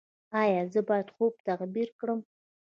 ایا زه باید خوب تعبیر کړم؟